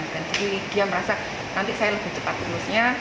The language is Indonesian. jadi dia merasa nanti saya lebih cepat lulusnya